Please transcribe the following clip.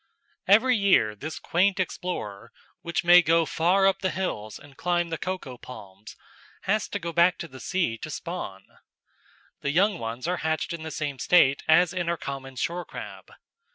Every year this quaint explorer, which may go far up the hills and climb the coco palms, has to go back to the sea to spawn. The young ones are hatched in the same state as in our common shore crab.